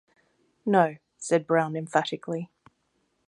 "No," said Brown emphatically.